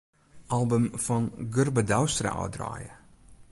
Album fan Gurbe Douwstra ôfdraaie.